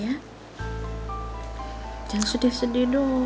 ya udah mama doain